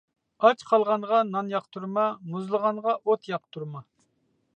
ئاچ قالغانغا نان ياقتۇرما، مۇزلىغانغا ئوت ياقتۇرما.